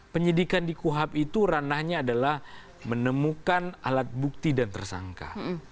penyidikan di kuhap itu ranahnya adalah menemukan alat bukti dan tersangka